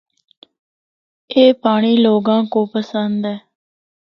اے پانڑی لوگاں کو پسند ہے۔